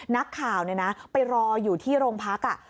นักข่าวไปรออยู่ที่โรงพัก